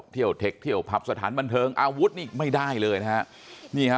เทคเที่ยวผับสถานบันเทิงอาวุธนี่ไม่ได้เลยนะฮะนี่ฮะ